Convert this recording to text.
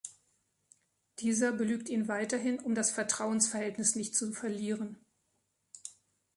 Dieser belügt ihn weiterhin, um das Vertrauensverhältnis nicht zu verlieren.